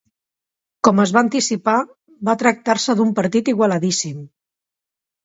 Com es va anticipar va tractar-se d'un partit igualadíssim.